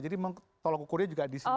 jadi tolok ukurnya juga disini juga